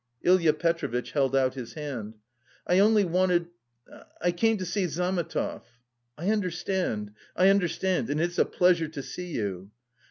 Ilya Petrovitch held out his hand. "I only wanted... I came to see Zametov." "I understand, I understand, and it's a pleasure to see you."